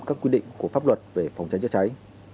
các quy định của pháp luật về phòng cháy chữa cháy